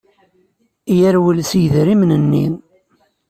Yerwel s yidrimen-nni.